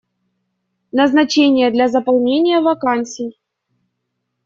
Назначения для заполнения вакансий.